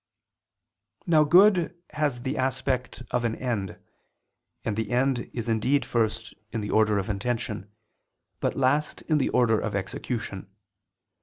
Now good has the aspect of an end, and the end is indeed first in the order of intention, but last in the order of execution.